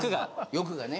欲がね。